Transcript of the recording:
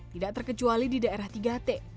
tidak terkecuali di daerah tiga t